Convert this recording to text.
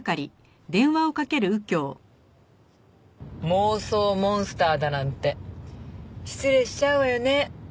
妄想モンスターだなんて失礼しちゃうわよね。